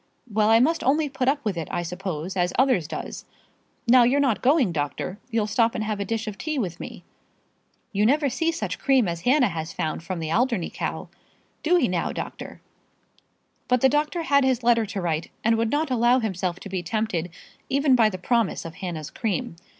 Well, I must only put up with it, I suppose, as others does. Now, you're not going, doctor? You'll stop and have a dish of tea with me. You never see such cream as Hannah has from the Alderney cow. Do'ey now, doctor." But the doctor had his letter to write, and would not allow himself to be tempted even by the promise of Hannah's cream.